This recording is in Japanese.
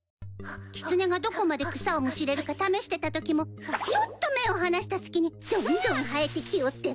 キツネがどこまで草をむしれるか試してたときもちょっと目を離した隙にどんどん生えてきおって。